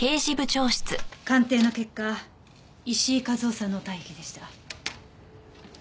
鑑定の結果石井和夫さんの体液でした。